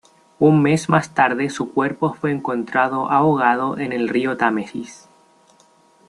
Un mes más tarde su cuerpo fue encontrado ahogado en el río Támesis.